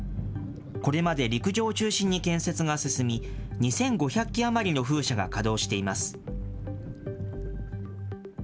これまで陸上中心に建設が進み、２５００基余りの風車が稼働しています。